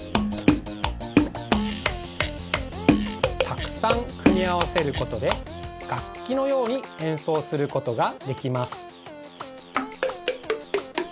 たくさんくみあわせることでがっきのようにえんそうすることができます。